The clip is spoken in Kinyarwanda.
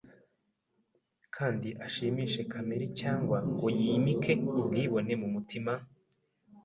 kandi ashimishe kamere cyangwa ngo yimike ubwibone mu mutima.